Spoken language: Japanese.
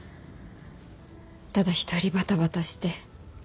ただ一人バタバタして。